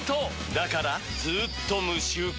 だからずーっと無臭化！